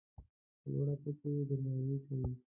په لوړه کچه یې درناوی کوي.